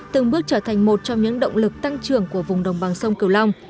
từng bước trở thành một trong những động lực tăng trưởng của vùng đồng bằng sông kiều long